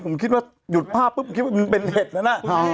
ผมคิดว่าหยุดภาพปุ๊บคิดว่ามันเป็นเหตุแล้วน่ะอ๋อ